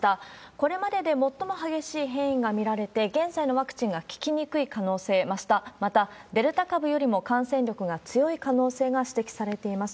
これまでで最も激しい変異が見られて、現在のワクチンが効きにくい可能性、また、デルタ株よりも感染力が強い可能性が指摘されています。